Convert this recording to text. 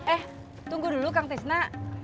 eh tunggu dulu kang tisna